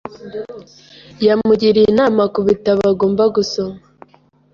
Yamugiriye inama ku bitabo agomba gusoma .